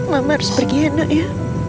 mama harus pergi enak ya